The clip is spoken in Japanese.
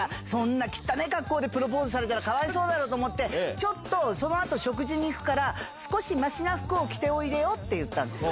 だからそんなきったねぇ格好でプロポーズされたらかわいそうだろと思って、ちょっとそのあと、食事に行くから、少しましな服を着ておいでよって言っておいたの。